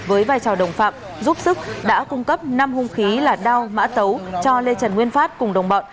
với vai trò đồng phạm giúp sức đã cung cấp năm hung khí là đao mã tấu cho lê trần nguyên phát cùng đồng bọn